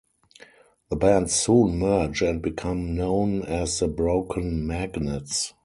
The bands soon merge and become known as the Broken Magnets.